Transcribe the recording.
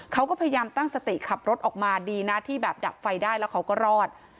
เขาก็พยายามตั้งสติขับรถออกมาดีนะที่แบบดับไฟได้แล้วเขาก็รอด